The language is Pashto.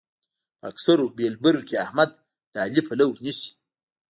په اکثرو بېلبرو کې احمد د علي پلو نيسي.